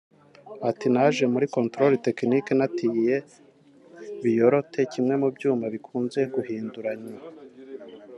Ati “Naje muri controle technique natiye “biyorete” (kimwe mu byuma bikunze guhinduranywa)